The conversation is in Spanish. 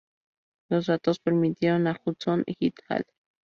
Los datos permitieron a Hudson et al.